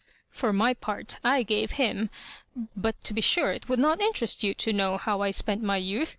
For my part, I gave him— but, to be sure, it would not interest you to know how I spent my youth.